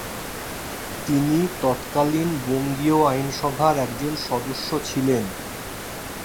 তিনি তৎকালীন বঙ্গীয় আইনসভার একজন সদস্য ছিলেন।